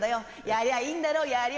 やりゃいいんだろやりゃ。